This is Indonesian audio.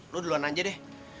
lo duluan aja deh